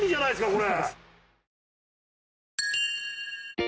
これ。